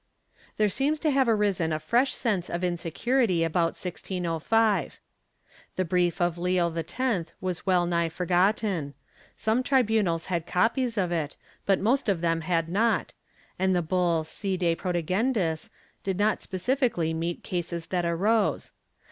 * There seems to have arisen a fresh sense of insecurity about 1605. The brief of Leo X was well nigh forgotten ; some tribunals had copies of it, but most of them had not, and the bull Si de protegendis did not specifically meet cases that arose.